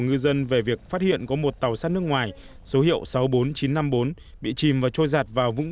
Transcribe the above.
ngư dân về việc phát hiện có một tàu sát nước ngoài số hiệu sáu mươi bốn nghìn chín trăm năm mươi bốn bị chìm và trôi giạt vào vũng